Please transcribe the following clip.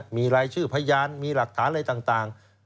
มีรายชื่อพยานมีหลักฐานอะไรต่าง